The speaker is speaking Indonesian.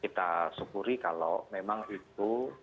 kita syukuri kalau memang itu